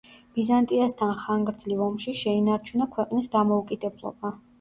ბიზანტიასთან ხანგრძლივ ომში შეინარჩუნა ქვეყნის დამოუკიდებლობა.